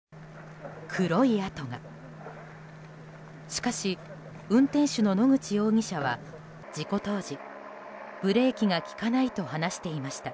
しかし、運転手の野口容疑者は事故当時ブレーキが利かないと話していました。